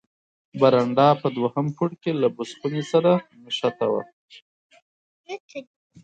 برنډه په دوهم پوړ کې له بوس خونې سره نښته وه.